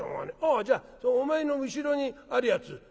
あじゃあお前の後ろにあるやつ